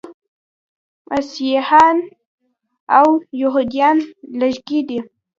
مسیحیان او یهودان لږکي دي.